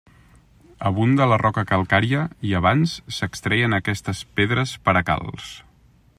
Abunda la roca calcària i abans, s'extreien aquestes pedres per a calç.